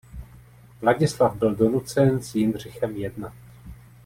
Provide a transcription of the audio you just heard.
Vladislav byl donucen s Jindřichem jednat.